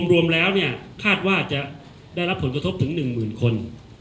รวมแล้วคาดว่าจะได้รับผลกระทบถึง๑๐๐๐คน